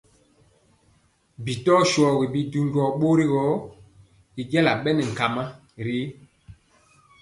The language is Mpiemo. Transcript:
Bi tɔ shogi bidu jɔɔ bori gɔ, y jala bɛ nɛ ŋgama ri.